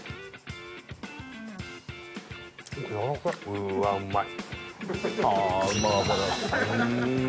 うわっうまい！